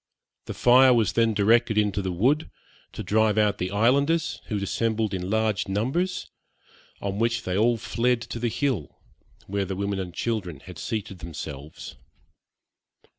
The fire was then directed into the wood, to drive out the islanders, who had assembled in large numbers, on which they all fled to the hill, where the women and children had seated themselves.